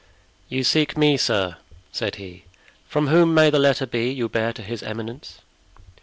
"You seek me, sir," said he. "From whom may the letter be you bear to his eminence?"